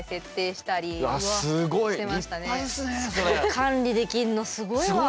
管理できんの、すごいわ。